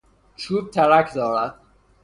چوب ترک دارد.